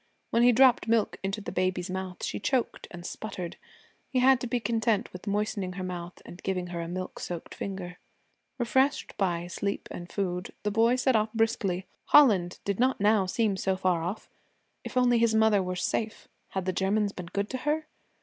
When he dropped milk into the baby's mouth she choked and sputtered. He had to be content with moistening her mouth and giving her a milk soaked finger. Refreshed by sleep and food, the boy set off briskly. Holland did not now seem so far off. If only his mother were safe! Had the Germans been good to her?